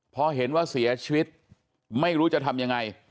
พอเห็นว่าเสียชีวิตไม่รู้จะทำยังไง